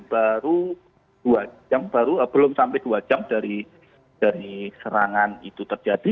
baru dua jam belum sampai dua jam dari serangan itu terjadi